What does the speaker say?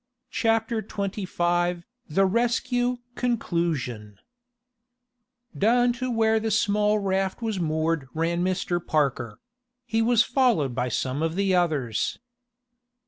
CHAPTER XXV THE RESCUE CONCLUSION Down to where the small raft was moored ran Mr. Parker. He was followed by some of the others.